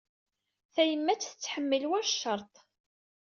Tayemmat tettḥemmil war ccerḍ.